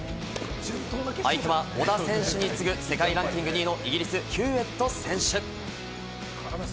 相手は小田選手に次ぐ世界ランキング２位のイギリス、ヒューウェット選手。